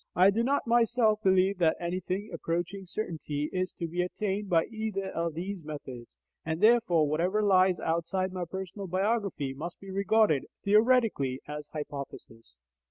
I do not myself believe that anything approaching certainty is to be attained by either of these methods, and therefore whatever lies outside my personal biography must be regarded, theoretically, as hypothesis.